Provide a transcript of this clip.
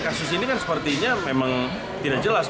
kasus ini kan sepertinya memang tidak jelas